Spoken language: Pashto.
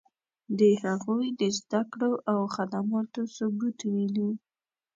د هغوی د زدکړو او خدماتو ثبوت وینو.